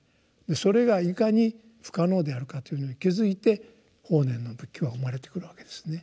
それがいかに不可能であるかというのに気付いて法然の仏教は生まれてくるわけですね。